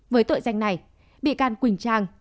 với tội danh này bị can quỳnh trang